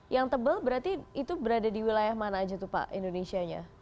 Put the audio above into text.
yang tebal berarti itu berada di wilayah mana aja tuh pak indonesia nya